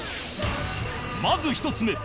まず１つ目